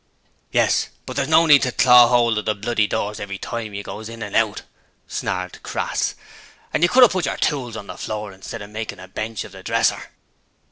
'Yes; but there's no need to claw 'old of the bloody doors every time you goes in and out,' snarled Crass, 'and you could 'ave put yer tools on the floor instead of makin' a bench of the dresser.'